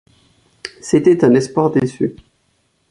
C’était un espoir déçu.